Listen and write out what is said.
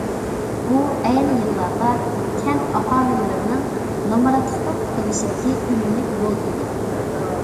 بۇ، ئەينى يىللاردا كەنت ئاھالىلىرىنىڭ نامراتلىقتىن قۇتۇلۇشىدىكى ئۈنۈملۈك يول ئىدى.